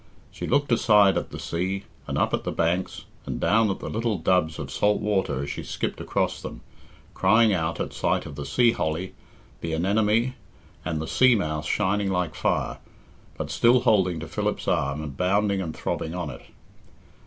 She looked aside at the sea, and up at the banks, and down at the little dubbs of salt water as she skipped across them, crying out at sight of the sea holly, the anemone, and the sea mouse shining like fire, but still holding to Philip's arm and bounding and throbbing on it.